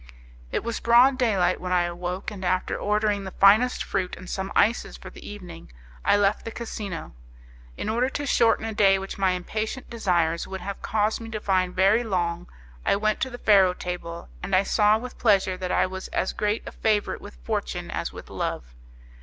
It was broad day light when I awoke, and after ordering the finest fruit and some ices for the evening I left the casino. In order to shorten a day which my impatient desires would have caused me to find very long, I went to the faro table, and I saw with pleasure that I was as great a favourite with fortune as with love.